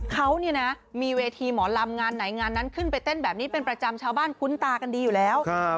เขาเนี่ยนะมีเวทีหมอลำงานไหนงานนั้นขึ้นไปเต้นแบบนี้เป็นประจำชาวบ้านคุ้นตากันดีอยู่แล้ว